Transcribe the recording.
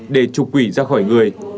để trục quỷ ra khỏi người